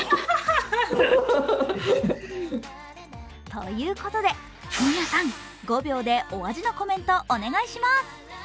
ということで、皆さん、５秒でお味のコメント、お願いします。